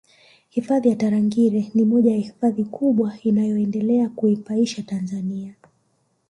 Hifadhi ya Tarangire ni moja ya Hifadhi kubwa inayoendelea kuipaisha Tanzania